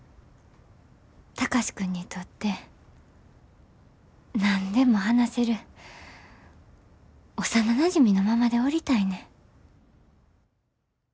貴司君にとって何でも話せる幼なじみのままでおりたいねん。